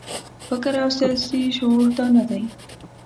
فکر او سیاسي شعور دا نه دی.